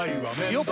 よっ！